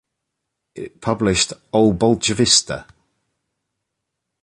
It published "O Bolchevista".